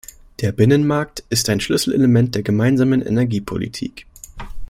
Der Binnenmarkt ist ein Schlüsselelement der gemeinsamen Energiepolitik.